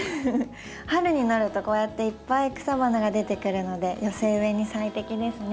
春になるとこうやっていっぱい草花が出てくるので寄せ植えに最適ですね。